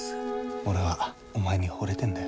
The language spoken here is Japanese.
俺はお前にほれてんだよ。